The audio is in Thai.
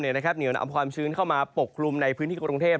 เหนียวนำความชื้นเข้ามาปกคลุมในพื้นที่กรุงเทพ